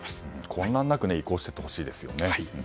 混乱なく移行していってほしいですよね。